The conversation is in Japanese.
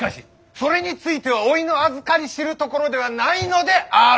それについてはおいのあずかり知るところではないのである！